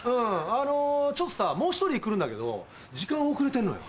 あのちょっとさもう１人来るんだけど時間遅れてんのよ！